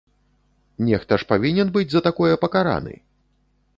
Нехта ж павінен быць за такое пакараны!